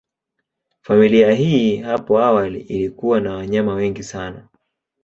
Familia hii hapo awali ilikuwa na wanyama wengi kiasi.